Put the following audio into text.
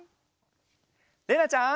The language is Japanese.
れなちゃん。